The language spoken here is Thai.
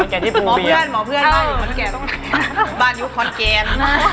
หมอเพื่อนหมอเพื่อนบ้านอยู่คอนแกน